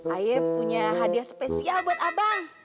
ayep punya hadiah spesial buat abang